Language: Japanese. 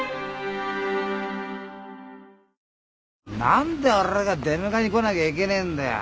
何で俺が出迎えに来なきゃいけねえんだよ。